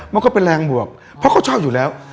มันก็เป็นแรงบวกเพราะเขาชอบอยู่แล้ว